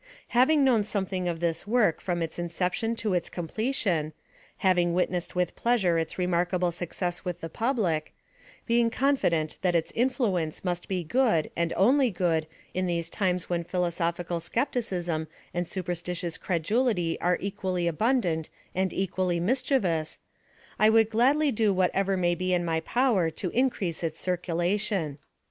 Ha"!ng known something of this work from its incep tion to its completion, having witnessed with pleasure its remarkable success with the public, being confident that its influence must be good and only good in these times when philosophical skepticism and superstitious credu lity are equally abundant and equally mischievous, 1 would gladly do whatever may be in my power to in crease its circulation.